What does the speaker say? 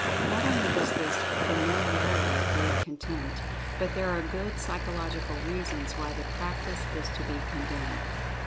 Not only does this "familiarity breed contempt" but there are good psychological reasons why the practice is to be condemned.